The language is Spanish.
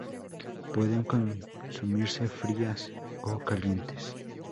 Pueden consumirse frías o calientes.